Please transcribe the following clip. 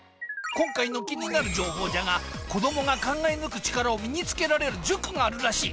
今回の気になる情報じゃが子どもが考え抜く力を身につけられる塾があるらしい。